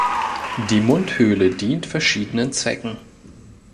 Die Mundhöhle dient verschiedenen Zwecken.